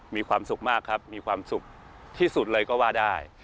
มีความสุขมากครับมีความสุขที่สุดเลยก็ว่าได้